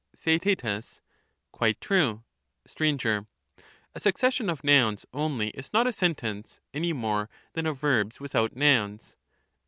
Theaet. Quite true. Str. A succession of nouns only is not a sentence, any Neither more than of verbs without nouns.